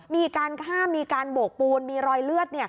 มีการฆ่ามีการโบกปูนมีรอยเลือด